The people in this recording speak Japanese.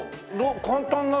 簡単なの？